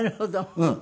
うん。